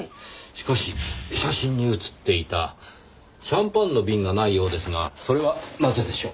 しかし写真に写っていたシャンパンの瓶がないようですがそれはなぜでしょう？